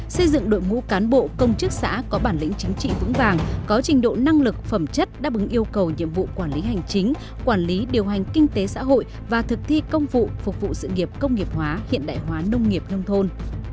xây dựng đội ngũ cán bộ công chức xã có bản lĩnh chính trị vững vàng có trình độ năng lực phẩm chất đáp ứng yêu cầu nhiệm vụ quản lý hành chính quản lý điều hành kinh tế xã hội và thực thi công vụ phục vụ sự nghiệp công nghiệp hóa hiện đại hóa nông nghiệp nông thôn